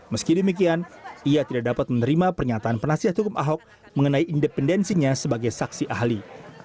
meski demikian ia tidak dapat menerima pernyataan penasihat hukum ahok mengenai independensinya sebagai saksi ahli